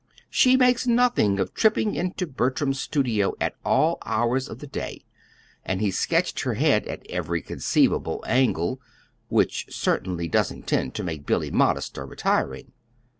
She makes nothing of tripping into Bertram's studio at all hours of the day; and he's sketched her head at every conceivable angle which certainly doesn't tend to make Billy modest or retiring.